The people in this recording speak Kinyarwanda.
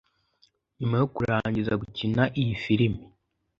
Nyuma yo kurangiza gukina iyi film